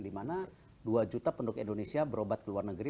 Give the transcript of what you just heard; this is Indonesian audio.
di mana dua juta penduduk indonesia berobat ke luar negeri